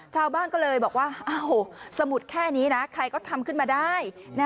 ชาวบ้านก็เลยบอกว่าสมุดแค่นี้นะใครก็ทำขึ้นมาได้